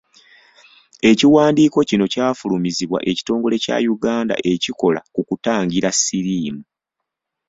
Ekiwandiiko kino kyafulumizibwa ekitongole kya Uganda ekikola ku kutangira siriimu.